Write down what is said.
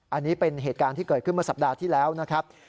อันนี้เป็นเหตุการณ์ที่เกิดขึ้นเมื่อสัปดาห์ที่แล้วนะครับ